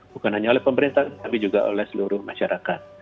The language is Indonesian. bukan hanya oleh pemerintah tapi juga oleh seluruh masyarakat